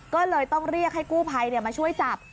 ก็เลยต้องเรียกให้กู้ภัยมาช่วยจับ